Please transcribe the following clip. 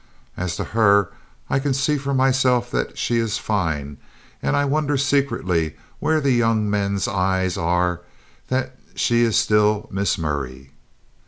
As to her, I can see for myself that she is fine, and I wonder secretly where the young men's eyes are that she is still Miss Murray.